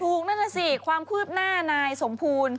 ถูกนั่นแหละสิความคืบหน้านายสมภูมิ